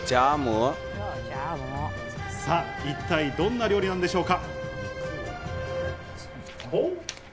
さぁ、一体どんな料理なんでしょうか？